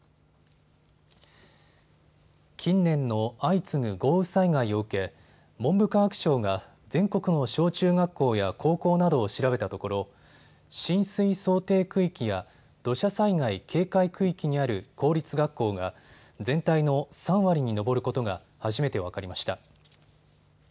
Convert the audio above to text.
近年の相次ぐ豪雨災害を受け文部科学省が全国の小中学校や高校などを調べたところ浸水想定区域や土砂災害警戒区域にある公立学校が全体の３割に上ることが初めて分かりました。